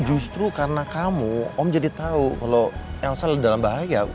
justru karena kamu om jadi tahu kalau elsa dalam bahaya